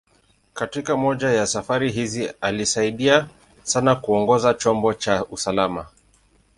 Katika moja ya safari hizi, alisaidia sana kuongoza chombo kwa usalama.